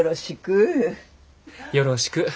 よろしく。